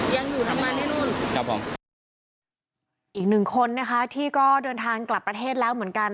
ยังอยู่ทำงานที่นู่นครับผมอีกหนึ่งคนนะคะที่ก็เดินทางกลับประเทศแล้วเหมือนกัน